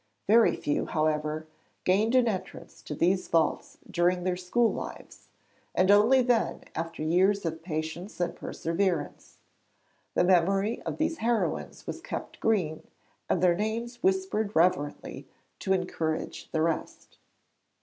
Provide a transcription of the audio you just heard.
Very few, however, gained an entrance to these vaults during their school lives, and only then after years of patience and perseverance. The memory of these heroines was kept green, and their names whispered reverently 'to encourage the rest.'